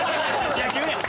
野球やん。